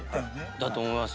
だと思います